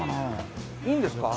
いいんですか？